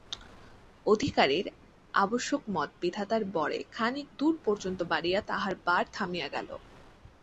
অধিকারীর আবশ্যকমত বিধাতার বরে খানিক দূর পর্যন্ত বাড়িয়া তাহার বাড় থামিয়া গেল।